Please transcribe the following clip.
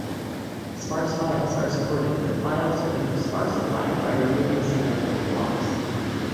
Sparse files are supported, but files are never "sparsified" by removing zero-filled blocks.